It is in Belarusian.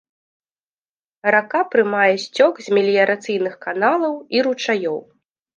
Рака прымае сцёк з меліярацыйных каналаў і ручаёў.